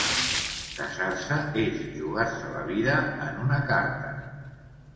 Casar-se és jugar-se la vida en una carta.